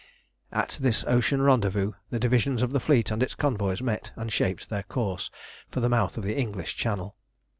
At this ocean rendezvous the divisions of the fleet and its convoys met and shaped their course for the mouth of the English Channel.